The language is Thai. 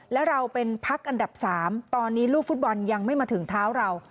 แล้วเราเป็นพักอันดับ๓ตอนนี้ลูกฟุตบอลยังไม่มาถึงเท้าเรา